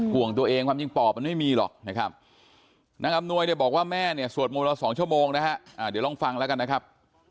ห่วงตัวเองความจริงปอบมันไม่มีหรอกนะครับนางอำนวยบอกว่าแม่เนี่ยสวดโมงละ๒ชั่วโมงนะครับ